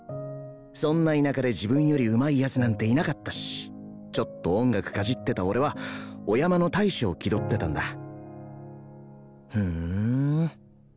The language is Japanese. そんな田舎で自分よりうまい奴なんていなかったしちょっと音楽かじってた俺はお山の大将気取ってたんだふん。